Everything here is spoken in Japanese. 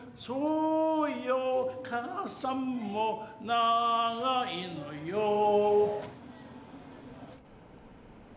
「そうよかあさんもながいのよ」